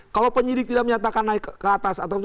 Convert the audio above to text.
kalau penyidik tidak menyatakan naik ke atas